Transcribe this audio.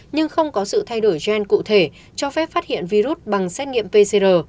nhưng không có sự thay đổi gen cụ thể cho phép phát hiện virus bằng xét nghiệm pcr